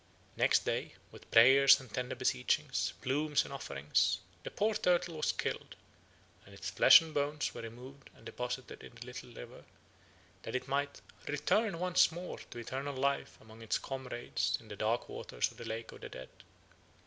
Next day, with prayers and tender beseechings, plumes, and offerings, the poor turtle was killed, and its flesh and bones were removed and deposited in the little river, that it might 'return once more to eternal life among its comrades in the dark waters of the lake of the dead.'